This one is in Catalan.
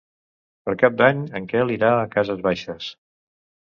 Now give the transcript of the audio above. Per Cap d'Any en Quel irà a Cases Baixes.